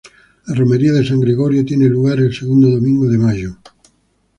La romería de San Gregorio tiene lugar el segundo domingo de mayo.